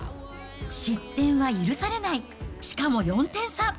失点は許されない、しかも４点差。